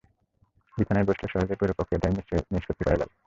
বিছানায় বসলে সহজেই পুরো প্রক্রিয়াটার নিষ্পত্তি করা যাবে।